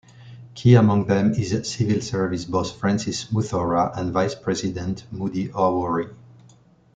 Key among them is civil service boss Francis Muthaura and Vice President Moody Awori.